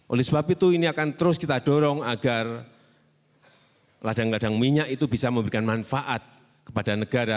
oleh sebab itu ini akan terus kita dorong agar ladang ladang minyak itu bisa memberikan manfaat kepada negara